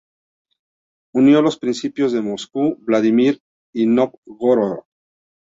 Unió los principados de Moscú, Vladímir y Nóvgorod.